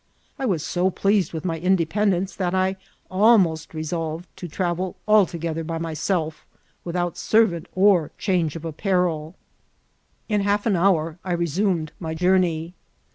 I was so pleased with my independence that I almost re solved to travel altogether by myself, without servant or change of appareL In half an hour I resumed my FALLS OF 8AK PCI>RO« S91 jcnmey.